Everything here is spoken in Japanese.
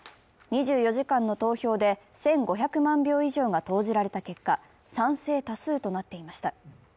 ２４時間の投票で１５００万票以上が投じられた結果、賛成多数となっていました。